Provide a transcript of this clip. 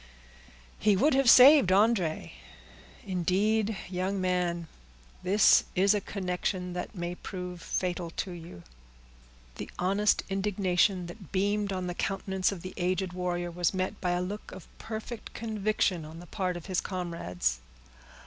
He would have saved André. Indeed, young man, this is a connection that may prove fatal to you!" The honest indignation that beamed on the countenance of the aged warrior was met by a look of perfect conviction on the part of his comrades.